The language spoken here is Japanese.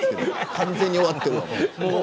完全に終わってる。